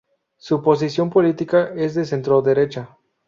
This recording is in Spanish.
Su posición política es de centroderecha.